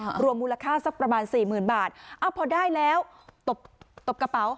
รวมมูลค่าสักประมาณสี่หมื่นบาทอ้าวพอได้แล้วตบตบกระเป๋า